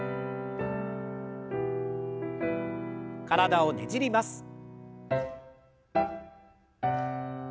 体をねじります。